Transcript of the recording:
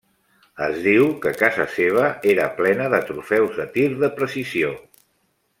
Es diu que casa seva era plena de trofeus de tir de precisió.